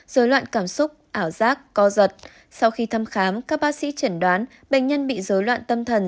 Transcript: dối loạn cảm xúc ảo giác co giật sau khi thăm khám các bác sĩ chẩn đoán bệnh nhân bị dối loạn tâm thần